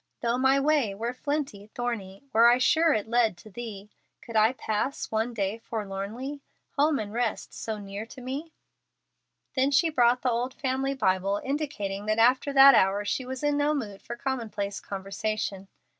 Though my way were flinty, thorny, Were I sure it led to Thee, Could I pass one day forlornly, Home and rest so near to me? Then she brought the old family Bible, indicating that after that hour she was in no mood for commonplace conversation.